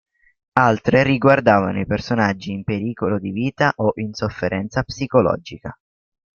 Altre riguardavano i personaggi in pericolo di vita o in sofferenza psicologica.